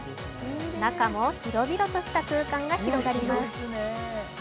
中も広々とした空間が広がります。